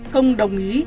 công đồng ý